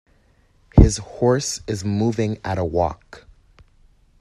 His horse is moving at a walk.